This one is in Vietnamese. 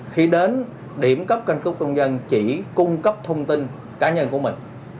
khi đến điểm cấp căn cước công dân chỉ cung cấp thông tin cá nhân của mình